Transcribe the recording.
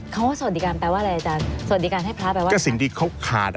เขาว่าสวัสดิการแปลว่าอะไรอาจารย์สวัสดิการให้พระแปลว่าอะไร